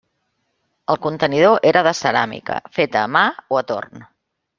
El contenidor era de ceràmica, feta a mà o a torn.